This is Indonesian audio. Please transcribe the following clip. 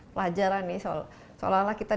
pelajaran nih soal seolah olah kita